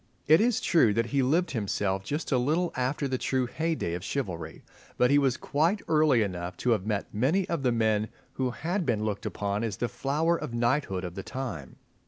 It is true that he lived himself just a little after the true heyday of chivalry; but he was quite early enough to have met many of the men who had been looked upon as the flower of knighthood of the time.